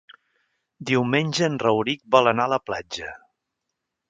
Diumenge en Rauric vol anar a la platja.